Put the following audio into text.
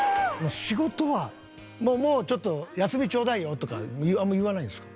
仕事は「もうちょっと休みちょうだいよ」とかあんま言わないんですか？